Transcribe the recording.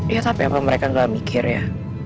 ya sampai apa mereka gak mikir ya